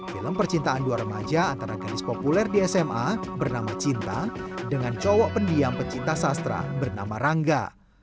film percintaan dua remaja antara gadis populer di sma bernama cinta dengan cowok pendiam pecinta sastra bernama rangga